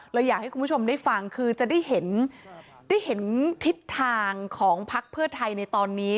เราอยากให้คุณผู้ชมได้ฟังคือจะได้เห็นทิศทางของพรรคเพิร์ตไทยในตอนนี้